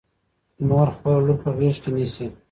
مور خپله لور په غېږ کې نیسي.